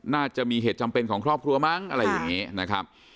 น่าจะมีเหตุจำเป็นของครอบครัวมั้งอะไรอย่างนี้นะครับ